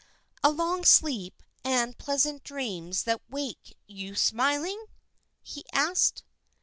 "A long sleep and pleasant dreams that wake you smiling?" he asked.